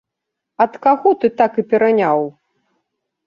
Ад каго ты так і пераняў?!